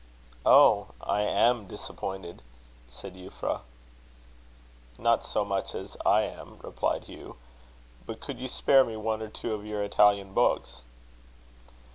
"Oh! I am disappointed," said Euphra. "Not so much as I am," replied Hugh. "But could you spare me one or two of your Italian books?"